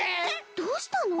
どうしたの？